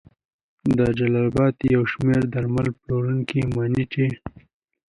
د جلال اباد یو شمېر درمل پلورونکي مني چې